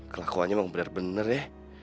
kelakuannya emang bener bener ya